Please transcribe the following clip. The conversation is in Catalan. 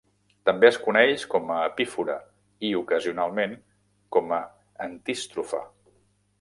També és coneix com a epífora i, ocasionalment, com a antístrofa.